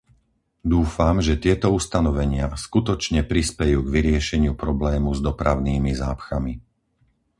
Dúfam, že tieto ustanovenia skutočne prispejú k vyriešeniu problému s dopravnými zápchami.